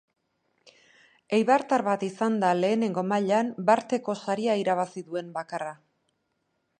Eibartar bat izan da lehenengo mailan barteko saria irabazi duen bakarra.